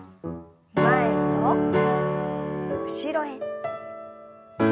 前と後ろへ。